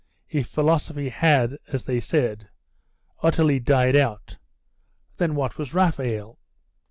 If philosophy had, as they said, utterly died out, then what was Raphael?